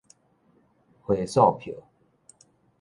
回數票